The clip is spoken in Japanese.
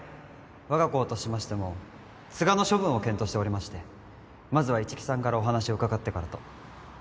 わが校としましても都賀の処分を検討しておりましてまずは一木さんからお話を伺ってからと